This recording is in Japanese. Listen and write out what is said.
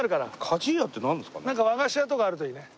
なんか和菓子屋とかあるといいね。